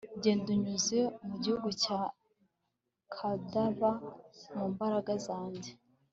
genda unyuze mu gihugu cya cadaver mu mbaraga zanjye